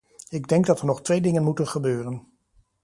Ik denk dat er nog twee dingen moeten gebeuren.